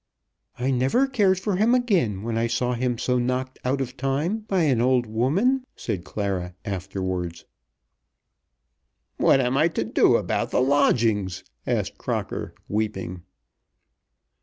"I never cared for him again when I saw him so knocked out of time by an old woman," said Clara afterwards. "What am I to do about the lodgings?" asked Crocker weeping.